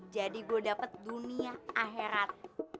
jadi gua dapet dunia akhirat